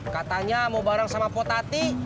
katanya mau bareng sama potati